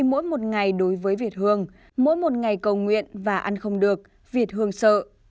mỗi một ngày cầu nguyện và ăn không được việt hương sợ